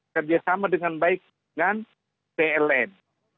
kerjasama dengan baik dengan pln